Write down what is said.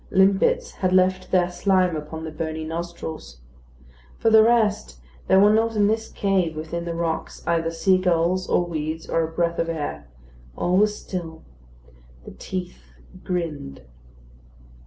Limpets had left their slime upon the bony nostrils. For the rest, there were not in this cave within the rocks either sea gulls, or weeds, or a breath of air. All was still. The teeth grinned.